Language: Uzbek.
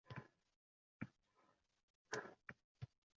Siz omadsizliklarga uchraysiz va yiqilasiz.